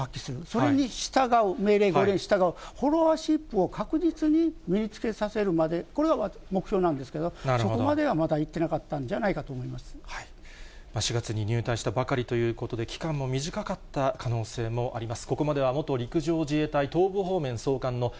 それに従う、命令、号令に従うフォロワーシップを確実に身につけさせるまで、これが目標なんですけど、そこまではまだ、いってなかったんじゃないか４月に入隊したばかりということで、期間も短かった可能性もあります。